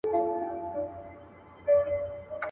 هم دي عقل هم دي فکر پوپناه سو.